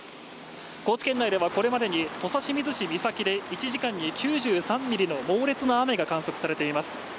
高知県内ではこれまでに土佐清水市三崎で１時間に９３ミリの猛烈な雨が観測されています。